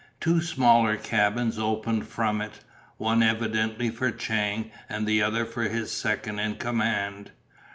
Two smaller cabins opened from it, one evidently for Chang and the other for his second in command.